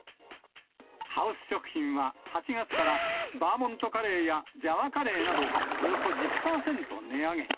ハウス食品は、８月から、バーモントカレーやジャワカレーなど、およそ１０％値上げ。